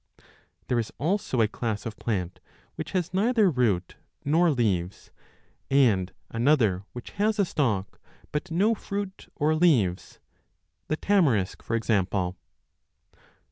6 827* [There is also a class of plant which has neither root nor leaves, and another which has a stalk, but no fruit or leaves, 9 n the tamarisk, for example.